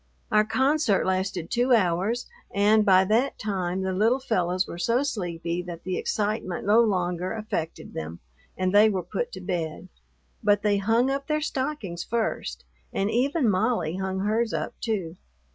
Our concert lasted two hours, and by that time the little fellows were so sleepy that the excitement no longer affected them and they were put to bed, but they hung up their stockings first, and even Molly hung hers up too.